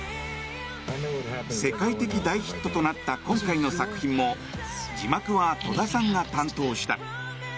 世界的大ヒットとなった今回の作品も字幕は戸田さんが担当した。